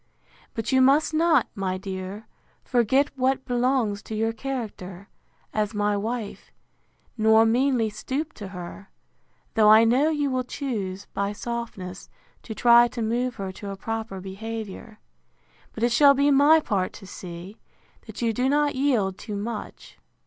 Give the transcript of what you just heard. But you must not, my dear, forget what belongs to your character, as my wife, nor meanly stoop to her; though I know you will choose, by softness, to try to move her to a proper behaviour. But it shall be my part to see, that you do not yield too much.